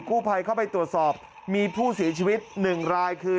กู้ภัยเข้าไปตรวจสอบมีผู้เสียชีวิตหนึ่งรายคือ